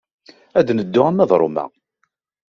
Ad neddu arma d Roma.